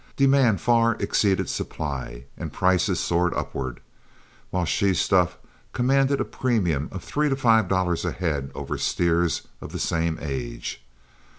Demand far exceeded supply and prices soared upward, while she stuff commanded a premium of three to five dollars a head over steers of the same age.